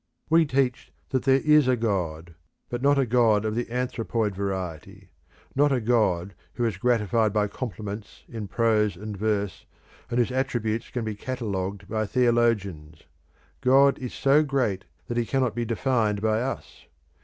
We teach that there is a God, but not a God of the anthropoid variety, not a God who is gratified by compliments in prose and verse, and whose attributes can be catalogued by theologians. God is so great that he cannot be defined by us.